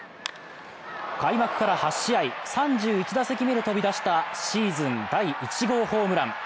開幕から８試合、３１打席目で飛び出したシーズン第１号ホームラン。